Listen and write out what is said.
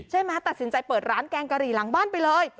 ตัดสินใจเปิดร้านแกงกะหรี่หลังบ้านไปเลย